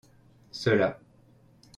ceux-là.